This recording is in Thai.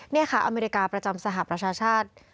นี่ค่ะอเมริกาประจำสหประชาชาติ